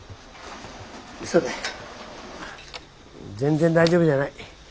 うそだ全然大丈夫じゃない。